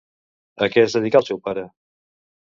A què es dedicà el seu pare?